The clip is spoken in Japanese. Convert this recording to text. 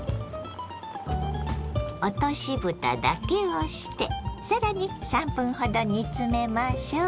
落としぶただけをして更に３分ほど煮詰めましょう。